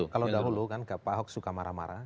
kalau dahulu kan pak ahok suka marah marah